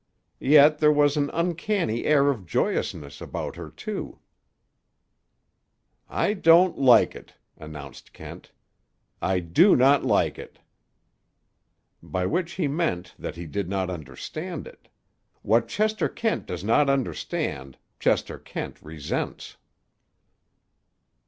Yet there was an uncanny air of joyousness about her, too." "I don't like it," announced Kent. "I do not like it!" By which he meant that he did not understand it. What Chester Kent does not understand, Chester Kent resents.